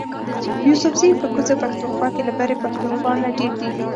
یوسفزي په کوزه پښتونخوا کی له برۍ پښتونخوا نه ډیر دي